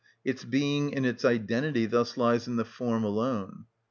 Its being and its identity thus lies in the form alone.